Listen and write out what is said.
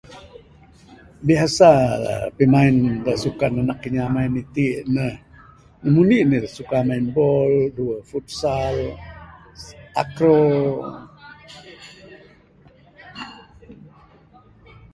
Biasa pimain da sukan anak kinya main iti' ne, nombor indi' ne suka main ball, duwuh futsal. Akuk